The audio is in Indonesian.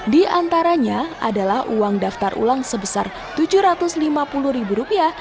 di antaranya adalah uang daftar ulang sebesar rp tujuh ratus lima puluh